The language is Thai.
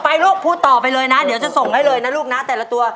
เดี๋ยวคุณส่งให้เลยแต่ละตัว